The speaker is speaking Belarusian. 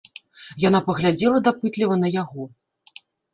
Яна паглядзела дапытліва на яго.